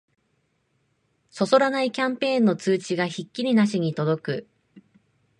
そそらないキャンペーンの通知がひっきりなしに届く